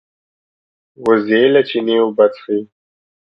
وزې له چینې اوبه څښي